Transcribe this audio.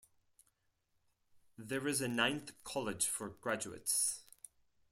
There is a ninth college for graduates.